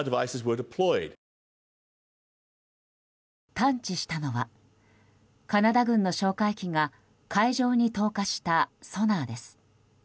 探知したのはカナダ軍の哨戒機が海上に投下したソナーです。